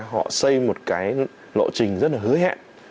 họ xây một cái lộ trình rất là hứa hẹn